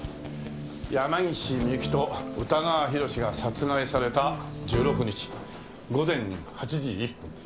山岸ミユキと宇田川宏が殺害された１６日午前８時１分